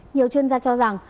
nhiều chuyên gia cho rằng